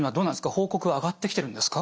報告は上がってきてるんですか？